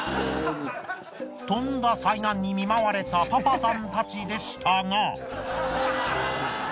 とんだ災難に見舞われたパパさんたちでしたが。